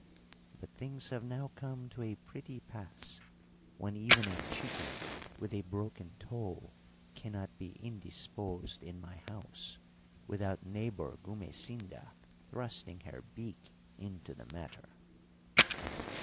But things have now come to a pretty pass when even a chicken with a broken toe cannot be indisposed in my house without neighbour Gumesinda thrusting her beak into the matter!'